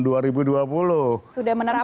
sudah menerapkan ya